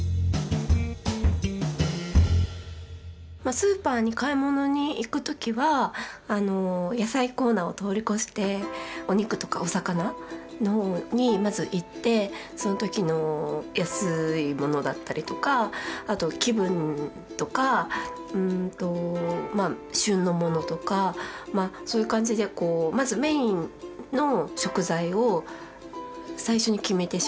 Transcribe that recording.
スーパーに買い物に行く時は野菜コーナーを通り越してお肉とかお魚のほうにまず行ってその時の安いものだったりとかあと気分とか旬のものとかそういう感じでまずメインの食材を最初に決めてしまいます。